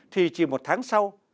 thì chỉ một tháng sau